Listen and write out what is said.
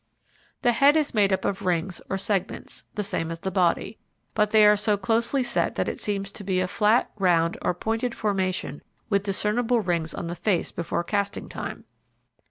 The head is made up of rings or segments, the same as the body, but they are so closely set that it seems to be a flat, round, or pointed formation with discernible rings on the face before casting time.